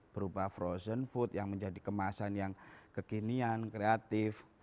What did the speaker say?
berupa frozen food yang menjadi kemasan yang kekinian kreatif